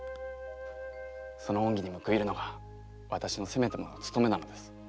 その恩義に報いるのが私のせめてもの務めなのです。